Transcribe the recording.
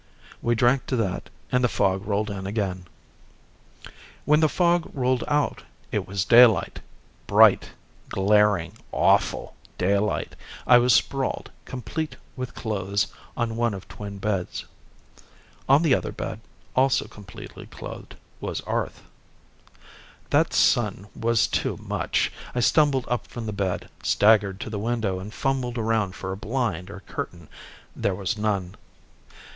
We drank to that and the fog rolled in again. When the fog rolled out, it was daylight. Bright, glaring, awful daylight. I was sprawled, complete with clothes, on one of twin beds. On the other bed, also completely clothed, was Arth. That sun was too much. I stumbled up from the bed, staggered to the window and fumbled around for a blind or curtain. There was none.